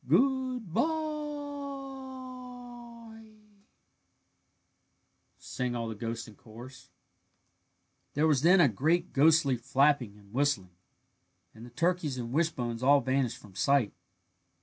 "Good bye," sang all the ghosts in chorus. There was then a great ghostly flapping and whistling, and the turkeys and wishbones all vanished from sight.